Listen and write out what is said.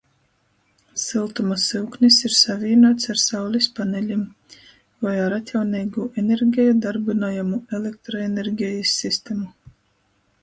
Syltuma syuknis ir savīnuots ar saulis panelim voi ar atjauneigū energeju darbynojamu elektroenergejis sistemu.